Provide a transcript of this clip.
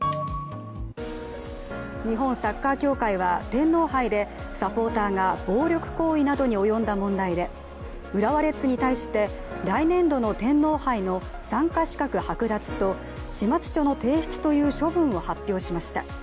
日本サッカー協会は天皇杯でサポーターが暴力行為などに及んだ問題で、浦和レッズに対して来年度の天皇杯の参加資格はく奪と、始末書の提出という処分を発表しました。